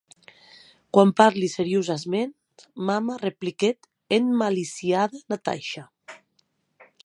Que parli seriosaments, mama, repliquèc emmaliciada Natasha.